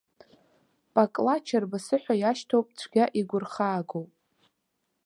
Пакла чарбасы ҳәа иашьҭоуп, цәгьа игәырхаагоуп!